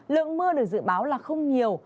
lượng mưa được dự báo là không nhiều